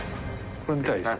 これ見たらいいですよ。